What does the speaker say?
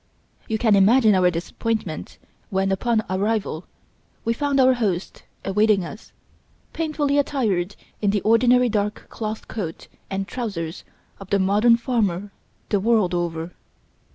You can imagine our disappointment, when, upon arrival, we found our host awaiting us, painfully attired in the ordinary dark cloth coat and trousers of the modern farmer the world over.